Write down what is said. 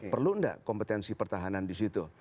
perlu nggak kompetensi pertahanan di situ